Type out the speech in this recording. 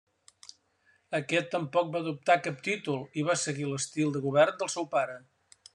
Aquest tampoc va adoptar cap títol i va seguir l'estil de govern del seu pare.